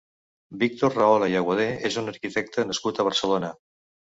Víctor Rahola i Aguadé és un arquitecte nascut a Barcelona.